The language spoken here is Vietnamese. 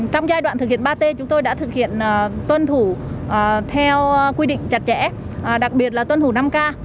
trong giai đoạn thực hiện ba t chúng tôi đã thực hiện tuân thủ theo quy định chặt chẽ đặc biệt là tuân thủ năm k